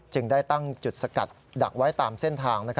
ได้ตั้งจุดสกัดดักไว้ตามเส้นทาง